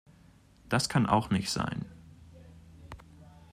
Das kann auch nicht sein.